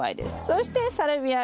そしてサルビア